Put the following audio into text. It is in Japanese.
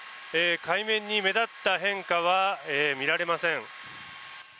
海面に目立った変化は見られません。